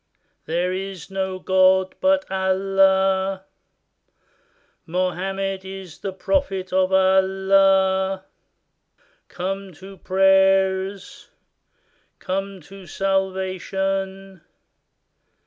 There is no God but Allah! Mohammed is the prophet of Allah! Come to prayers! Come to salvation!